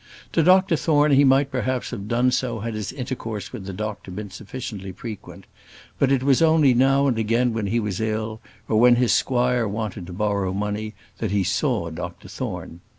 To Dr Thorne he might perhaps have done so had his intercourse with the doctor been sufficiently frequent; but it was only now and again when he was ill, or when the squire wanted to borrow money, that he saw Dr Thorne.